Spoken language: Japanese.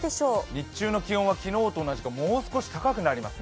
日中の気温は昨日と同じかもう少し高くなります。